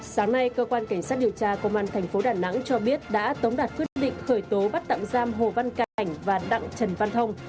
sáng nay cơ quan cảnh sát điều tra công an tp đà nẵng cho biết đã tống đạt quyết định khởi tố bắt tặng giam hồ văn cảnh và đặng trần văn thông